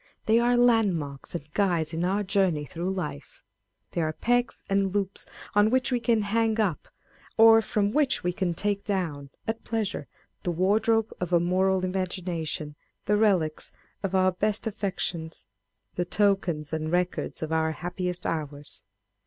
They are landmarks and guides in our journey through life. They are pegs and loops on which we can hang up, or from which we can take down, at pleasure, the wardrobe of a moral imagination, the relics of our best affections, the tokens and records of our happiest hours.